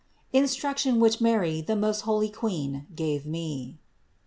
INSTRUCTION WHICH MARY, THE MOST HOLY QUEEN, GAVE ME.